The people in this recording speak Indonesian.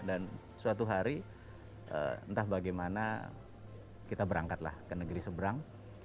dan suatu hari entah bagaimana kita berangkat lah ke negeri seberang